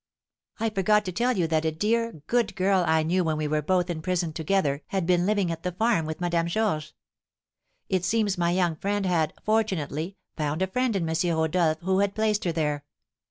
"I forgot to tell you that a dear, good girl I knew when we were both in prison together had been living at the farm with Madame Georges; it seems my young friend had, fortunately, found a friend in M. Rodolph, who had placed her there.